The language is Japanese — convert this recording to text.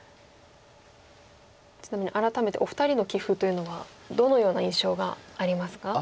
ちなみに改めてお二人の棋風というのはどのような印象がありますか？